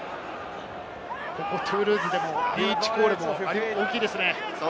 ここトゥールーズでもリーチコール大きいですね。